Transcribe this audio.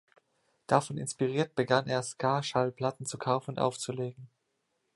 Davon inspiriert begann er Ska-Schallplatten zu kaufen und aufzulegen.